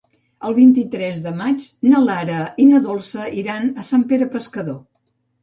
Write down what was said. El vint-i-tres de maig na Lara i na Dolça iran a Sant Pere Pescador.